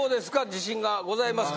自信がございますか？